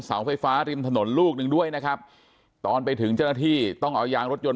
เสาไฟฟ้าริมถนนลูกหนึ่งด้วยนะครับตอนไปถึงเจ้าหน้าที่ต้องเอายางรถยนต